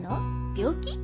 病気？」。